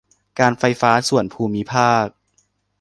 การไฟฟ้าส่วนภูมิภาค